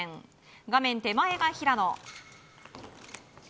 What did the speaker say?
画面手前が平野。